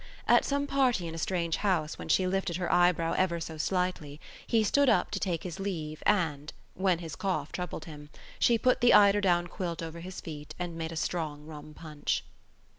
At some party in a strange house when she lifted her eyebrow ever so slightly he stood up to take his leave and, when his cough troubled him, she put the eider down quilt over his feet and made a strong rum punch.